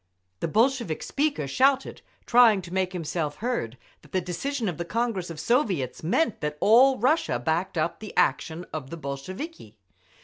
The Bolshevik speaker shouted, trying to make himself heard, that the decision of the Congress of Soviets meant that all Russia backed up the action of the Bolsheviki.